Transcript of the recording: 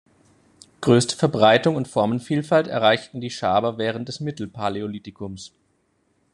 Größte Verbreitung und Formenvielfalt erreichten die Schaber während des Mittelpaläolithikums.